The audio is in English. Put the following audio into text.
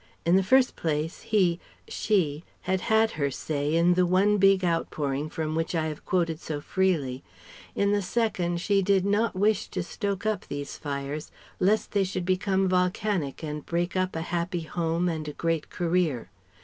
In the first place he she had had her say in the one big outpouring from which I have quoted so freely; in the second she did not wish to stoke up these fires lest they should become volcanic and break up a happy home and a great career.